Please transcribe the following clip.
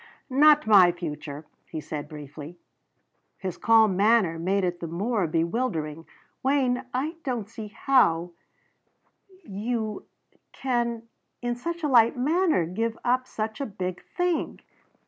"Not my future," he said briefly. His calm manner made it the more bewildering. "Wayne, I don't see how you can in such a light manner give up such a big thing!"